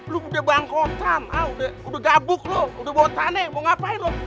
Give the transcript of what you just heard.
lo udah bangkotan udah gabuk lo udah bawa tanah mau ngapain lo